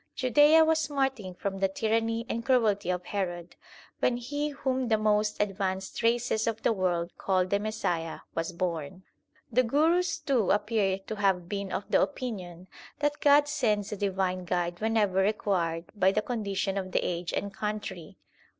Judaea was smarting from the tyranny and cruelty of Herod when he whom the most advanced races of the world call the Messiah was born. The Gurus too appear to have been of the opinion that God sends a divine guide whenever required by the con dition of the age and country.